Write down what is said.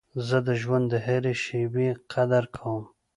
زه د ژوند د هري شېبې قدر کوم.